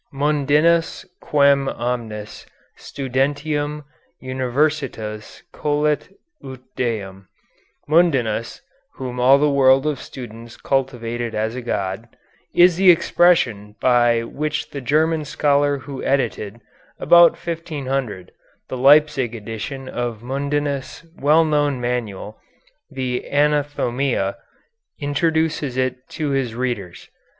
Mundinus quem omnis studentium universitas colit ut deum (Mundinus, whom all the world of students cultivated as a god), is the expression by which the German scholar who edited, about 1500, the Leipzig edition of Mundinus' well known manual, the Anathomia, introduces it to his readers.